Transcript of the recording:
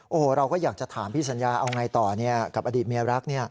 โอ้โหเราก็อยากจะถามพี่สัญญาเอาไงต่อกับอดีตเมียรัก